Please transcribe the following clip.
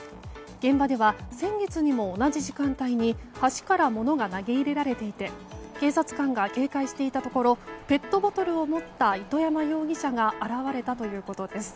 現場では先月にも同じ時間帯に橋から物が投げ入れられていて警察官が警戒していたところペットボトルを持った糸山容疑者が現れたということです。